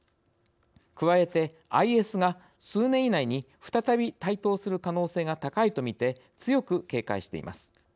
加えてＩＳが数年以内に再び台頭する可能性が高いと見て強く警戒しています。